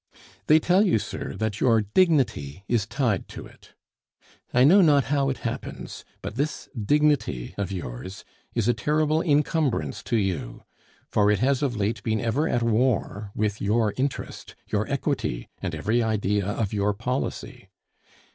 They tell you, sir, that your dignity is tied to it. I know not how it happens, but this dignity of yours is a terrible incumbrance to you; for it has of late been ever at war with your interest, your equity, and every idea of your policy.